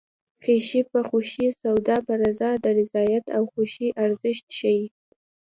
خیښي په خوښي سودا په رضا د رضایت او خوښۍ ارزښت ښيي